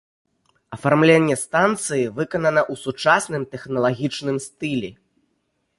Афармленне станцыі выканана ў сучасным тэхналагічным стылі.